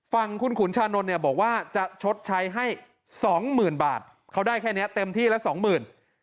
ฝั่งคุณขุนชานนท์เนี่ยบอกว่าจะชดใช้ให้สองหมื่นบาทเขาได้แค่นี้เต็มที่ละสองหมื่น